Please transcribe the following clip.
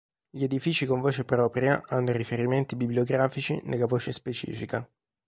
Gli edifici con voce propria hanno i riferimenti bibliografici nella voce specifica.